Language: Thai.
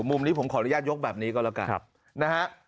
มุมนี้ผมขออนุญาตยกแบบนี้ก็แล้วกันนะฮะ